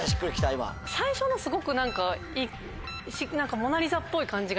最初のすごく何か『モナリザ』っぽい感じが。